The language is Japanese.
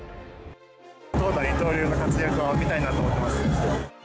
投打二刀流の活躍を見たいなと思ってます。